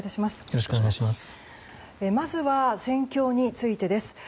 まずは戦況についてです。